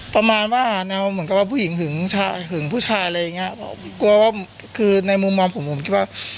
ประมาณว่าแนวเหมือนกับว่าผู้หญิงหึงหึงผู้ชายอะไรอย่างเงี้ยกลัวว่าคือในมุมมองผมผมคิดว่า